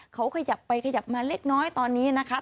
เขาขยับไปขยับมาเล็กน้อยตอนนี้นะคะ